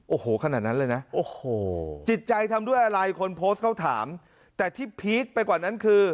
โอ้โหขนาดนั้นเลยนะโอ้โหจิตใจทำด้วยอะไรคนโพสต์เขาถามแต่ที่พีคไปกว่านั้นคือ